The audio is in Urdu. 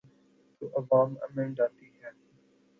تو عوام امنڈ آتے ہیں۔